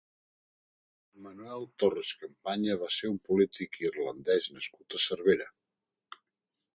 Manuel Torres Campaña va ser un polític irlandès nascut a Cervera.